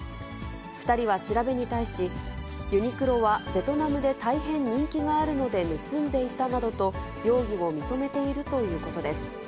２人は調べに対し、ユニクロはベトナムで大変人気があるので盗んでいたなどと、容疑を認めているということです。